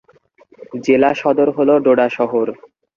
জেলা সদর হল ডোডা শহর।